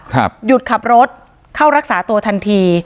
หยุดขับรถเข้ารักษาตัวทันที